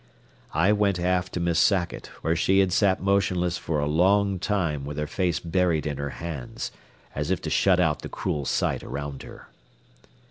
I went aft to Miss Sackett, where she had sat motionless for a long time with her face buried in her hands, as if to shut out the cruel sight around her.